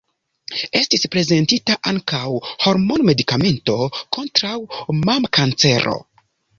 Estis prezentita ankaŭ hormon-medikamento kontraŭ mamkancero.